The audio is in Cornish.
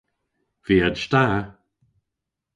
Viaj da.